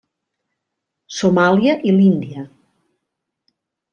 Somàlia i l'Índia.